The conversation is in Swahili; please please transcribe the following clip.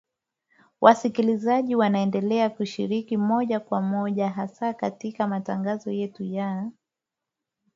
Wasikilizaji waendelea kushiriki moja kwa moja hasa katika matangazo yetu ya